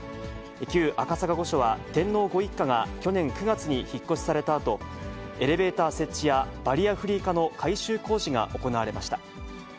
旧赤坂御所は天皇ご一家が去年９月に引っ越しされたあと、エレベーター設置やバリアフリー化の改修工事が行われました。